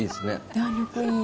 弾力がいい。